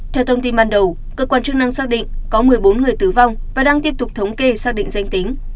theo thông tin ban đầu cơ quan chức năng xác định có một mươi bốn người tử vong và đang tiếp tục thống kê xác định danh tính